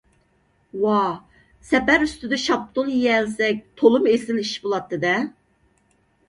ۋاھ، سەپەر ئۈستىدە شاپتۇل يېيەلىسەك، تولىمۇ ئېسىل ئىش بولاتتى - دە!